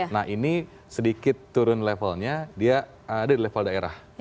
nah ini sedikit turun levelnya dia ada di level daerah